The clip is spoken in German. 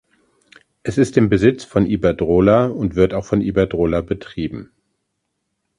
Es ist im Besitz von Iberdrola und wird auch von Iberdrola betrieben.